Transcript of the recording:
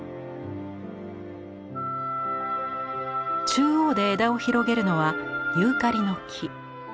中央で枝を広げるのはユーカリの木。